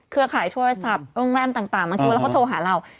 เครือข่ายโทรศัพท์โรงแรมต่างมันคือว่าเขาโทรหาเรา